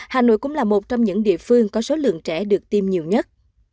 hà nội cũng là một trong những địa phương có số lượng trẻ được tiêm nhiều nhất